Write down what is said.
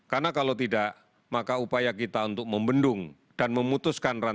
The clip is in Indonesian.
karena kalau tidak maka upaya kita untuk membendung dan memutuskan rantai penularan